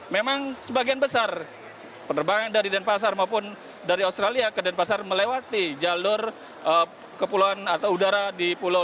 memang sebagian besar penerbangan dari denpasar maupun dari australia ke denpasar melewati jalur kepulauan atau udara di pulau